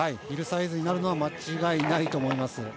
ヒルサイズになるのは間違いないと思います。